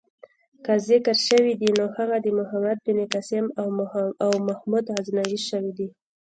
که ذکر شوی دی نو هغه د محمد بن قاسم او محمود غزنوي شوی.